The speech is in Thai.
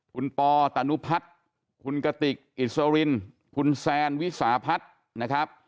คุณปอตานุพัฒน์คุณกติกอิสรินคุณแซนวิสาพัฒน์นะครับ